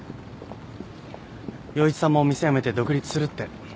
陽一さんも店辞めて独立するって。